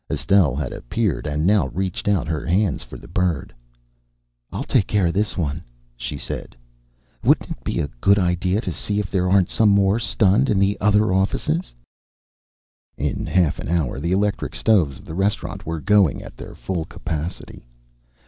Estelle had appeared and now reached out her hands for the bird. "I'll take care of this one," she said. "Wouldn't it be a good idea to see if there aren't some more stunned in the other offices?" In half an hour the electric stoves of the restaurant were going at their full capacity.